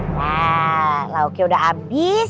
wah lauki udah abis